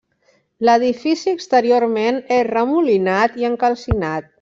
L’edifici exteriorment és remolinat i encalcinat.